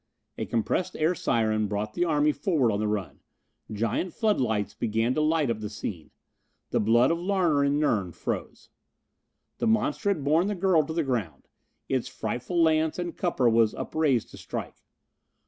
A compressed air siren brought the army forward on the run. Giant floodlights began to light up the scene. The blood of Larner and Nern froze. The monster had borne the girl to the ground. Its frightful lance and cupper was upraised to strike.